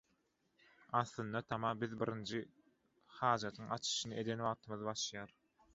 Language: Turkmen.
Aslynda tama biz birinji hajatyň açyşyny eden wagtymyz başlaýar.